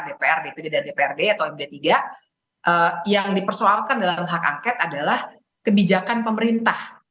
dpr dpd dan dprd atau md tiga yang dipersoalkan dalam hak angket adalah kebijakan pemerintah